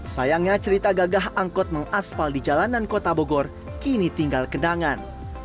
sayangnya cerita gagah angkot mengaspal di jalanan kota bogor kini tinggal kenangan